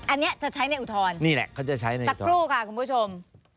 อันนี้จะใช้ในอุทธรณ์สักครู่ค่ะคุณผู้ชม